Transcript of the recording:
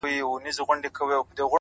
پرمختګ د ننني اقدام محصول دی؛